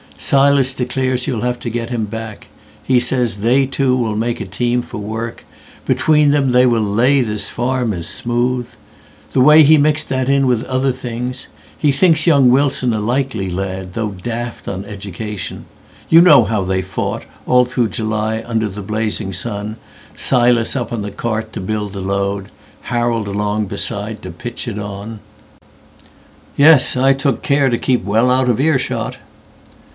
Silas declares you'll have to get him back. He says they two will make a team for work:Between them they will lay this farm as smooth! The way he mixed that in with other things. He thinks young Wilson a likely lad, though daftOn education—you know how they foughtAll through July under the blazing sun, Silas up on the cart to build the load, Harold along beside to pitch it on.""Yes, I took care to keep well out of earshot."